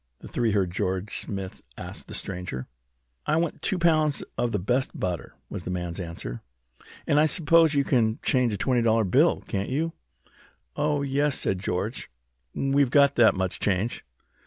the three heard George Smith ask the stranger. "I want two pounds of the best butter," was the man's answer. "And I suppose you can change a twenty dollar bill, can't you?" "Oh, yes," said George. "We've got that much change."